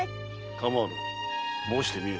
かまわぬ申してみよ。